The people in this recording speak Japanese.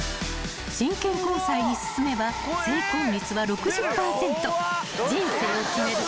［真剣交際に進めば成婚率は６０％］